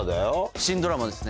新ドラマですね。